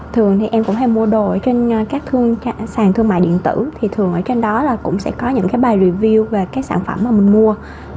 thường thì em cũng hay mua đồ trên các sàn thương mại điện tử thì thường ở trên đó là cũng sẽ có những cái bài review về các sản phẩm mà mình mua